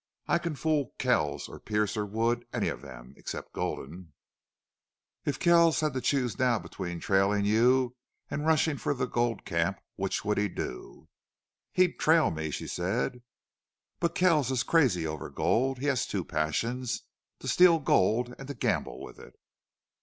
I can fool Kells or Pearce or Wood any of them, except Gulden." "If Kells had to choose now between trailing you and rushing for the gold camp, which would he do?" "He'd trail me," she said. "But Kells is crazy over gold. He has two passions. To steal gold, and to gamble with it."